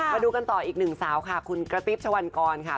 มาดูกันต่ออีกหนึ่งสาวค่ะคุณกระติ๊บชะวันกรค่ะ